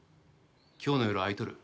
今日の夜空いとる？